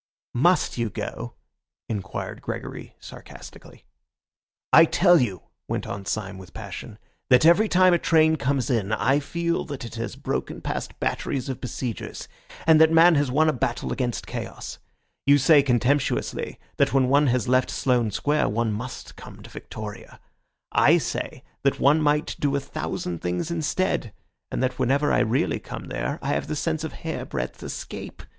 "Must you go?" inquired Gregory sarcastically. "I tell you," went on Syme with passion, "that every time a train comes in I feel that it has broken past batteries of besiegers, and that man has won a battle against chaos. You say contemptuously that when one has left Sloane Square one must come to Victoria. I say that one might do a thousand things instead, and that whenever I really come there I have the sense of hairbreadth escape.